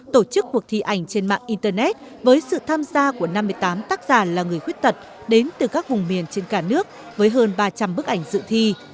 tổ chức cuộc thi ảnh trên mạng internet với sự tham gia của năm mươi tám tác giả là người khuyết tật đến từ các vùng miền trên cả nước với hơn ba trăm linh bức ảnh dự thi